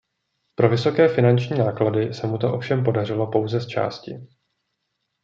Pro vysoké finanční náklady se mu to ovšem podařilo pouze zčásti.